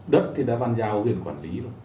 đất thì đã bàn rào huyện quản lý rồi